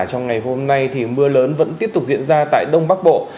trong ngày hôm nay thì mưa lớn vẫn tiếp tục diễn ra tại đông bắc bộ